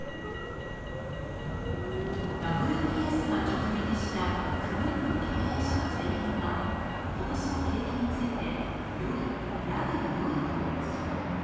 「ＷＢＳ」が直撃した９人の経営者全員が、今年の景気について、良い、やや良いと予想。